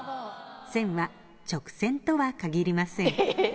線は直線とは限りません。